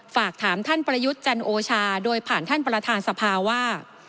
ฝากถามท่านประยุทธ์จันโอชาโดยผ่านท่านประธานสภาว่า